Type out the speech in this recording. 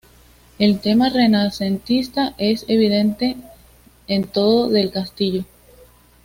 El tema renacentista es evidente en todo el castillo.